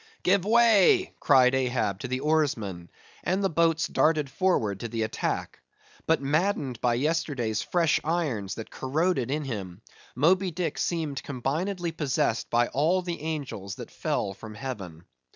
"Give way!" cried Ahab to the oarsmen, and the boats darted forward to the attack; but maddened by yesterday's fresh irons that corroded in him, Moby Dick seemed combinedly possessed by all the angels that fell from heaven.